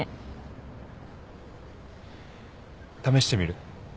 試してみる？